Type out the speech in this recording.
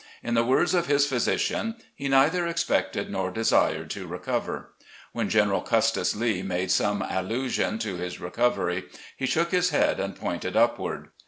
In the words of his physician, 'he neither expected nor desired to recover.' When General Custis Lee made some allusion to his recovery, he shook his head and pointed upward.